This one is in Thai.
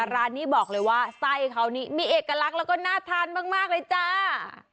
ร้านนี้บอกเลยว่าไส้เขานี่มีเอกลักษณ์แล้วก็น่าทานมากเลยจ้า